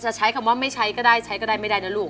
ใช้คำว่าไม่ใช้ก็ได้ใช้ก็ได้ไม่ได้นะลูก